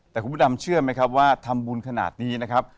แต่คุณผู้ดำเชื่อไหมครับว่าทำบุญขนาดนี้นะครับ